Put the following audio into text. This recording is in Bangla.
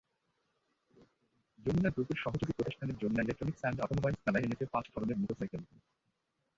যমুনা গ্রুপের সহযোগী প্রতিষ্ঠান যমুনা ইলেকট্রনিকস অ্যান্ড অটোমোবাইলস মেলায় এনেছে পাঁচ ধরনের মোটরসাইকেল।